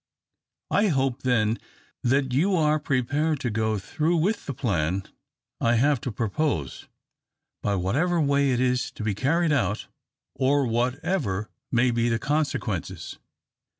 I hope, then, that you are prepared to go through with the plan I have to propose, by whatever way it is to be carried out, or whatever may be the consequences."